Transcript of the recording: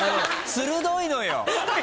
鋭いのよ。